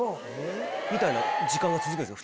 みたいな時間が続くんですよ。